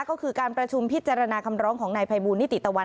ก็คือการประชุมพิจารณาคำร้องของนายภัยบูลนิติตะวัน